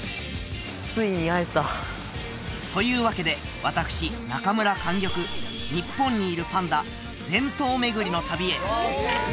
ついに会えたというわけで私中村莟玉日本にいるパンダ全頭めぐりの旅へ！